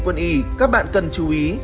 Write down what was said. các bạn cần chú ý